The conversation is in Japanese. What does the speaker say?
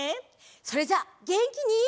それじゃあげんきに。